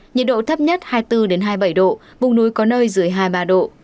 nhiệt độ thấp nhất hai mươi bốn hai mươi bảy độ vùng núi có nơi dưới hai mươi ba độ